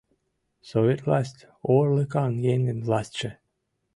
Совет власть — орлыкан еҥын властьше.